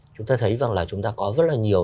chúng ta thấy rằng là chúng ta có rất là nhiều